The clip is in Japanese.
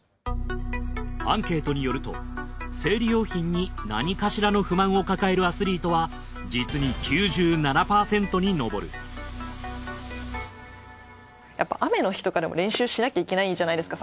アンケートによると生理用品に何かしらの不満を抱えるアスリートは実に９７％に上るやっぱ雨の日とかでも練習しなきゃいけないじゃないですか